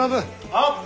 はっ。